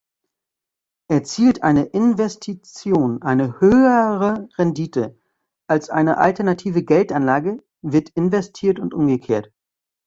Erzielt eine Investition eine höhere Rendite als eine alternative Geldanlage, wird investiert und umgekehrt.